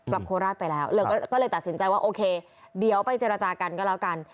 โคราชไปแล้วก็เลยตัดสินใจว่าโอเคเดี๋ยวไปเจรจากันก็แล้วกัน